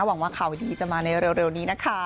หวังว่าข่าวดีจะมาในเร็วนี้นะคะ